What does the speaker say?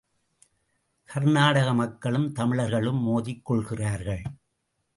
கர்நாடக மக்களும் தமிழர்களும் மோதிக் கொள்கிறார்கள்?